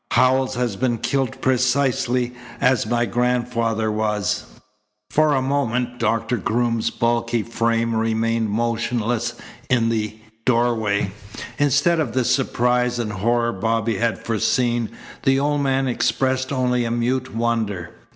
Howells has been killed precisely as my grandfather was." For a moment Doctor Groom's bulky frame remained motionless in the doorway. Instead of the surprise and horror Bobby had foreseen, the old man expressed only a mute wonder.